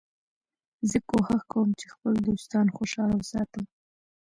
زه کوښښ کوم چي خپل دوستان خوشحاله وساتم.